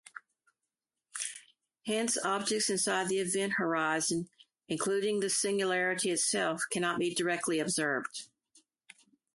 Hence, objects inside the event horizon-including the singularity itself-cannot be directly observed.